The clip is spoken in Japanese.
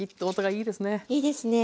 いいですね。